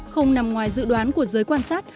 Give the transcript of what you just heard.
không nằm ngoài dự đoán của giới quan sát